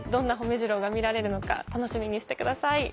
ジローが見られるのか楽しみにしてください。